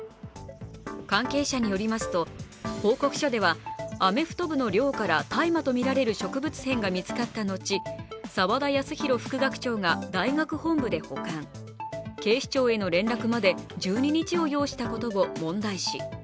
関係者によりますと、報告書ではアメフト部の寮から大麻とみられる植物片が見つかった後、澤田康広副学長が大学本部で保管、警視庁への連絡まで１２日を要したことを問題視。